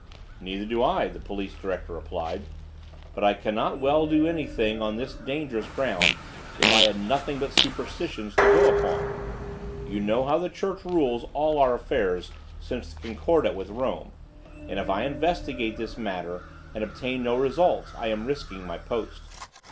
"Neither do I," the police director replied; "but I cannot well do anything on this dangerous ground if I had nothing but superstitions to go upon. You know how the Church rules all our affairs since the Concordat with Rome, and if I investigate this matter, and obtain no results, I am risking my post.